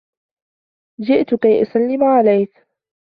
جِئْتِ كَيْ أُسَلِّمَ عَلَيكَ..